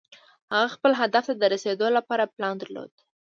هغه خپل هدف ته د رسېدو لپاره پلان درلود.